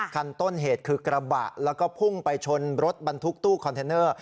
คันต้นเหตุคือกระบะแล้วก็พุ่งไปชนรถบรรทุกตู้คอนเทนเนอร์